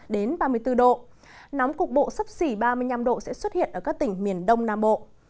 đến ba mươi bốn độ nóng cục bộ sắp xỉ ba mươi năm độ sẽ xuất hiện ở các tỉnh miền đông nam bộ